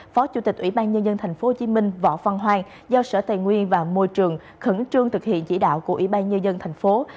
phó chủ tịch ủy ban nhân dân tp hcm võ phan hoàng giao sở tài nguyên và môi trường khẩn trương thực hiện chỉ đạo của ủy ban nhân dân tp